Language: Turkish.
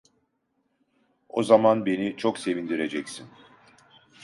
O zaman beni çok sevindireceksin…